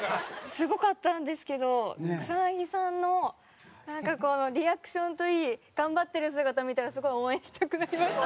すごかったんですけど草薙さんのなんかこのリアクションといい頑張ってる姿見たらすごい応援したくなりました。